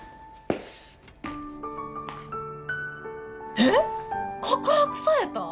えっ告白された！？